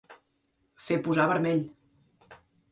Fer posar vermell.